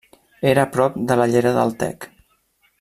Era a prop de la llera del Tec.